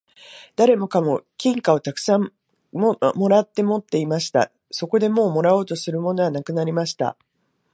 誰もかも金貨をたくさん貰って持っていました。そこでもう貰おうとするものはなくなりました。